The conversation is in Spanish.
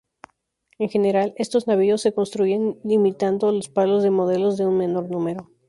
En general, estos navíos se construían imitando los palos de modelos de menor número.